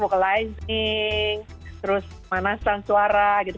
vocalizing terus manasan suara gitu